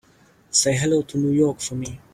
Say hello to New York for me.